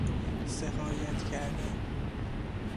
سقایت کردن